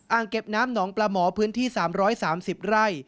เก็บน้ำหนองปลาหมอพื้นที่๓๓๐ไร่